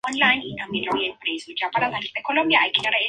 Constituye una evolución de la Radioterapia conformada en tres dimensiones.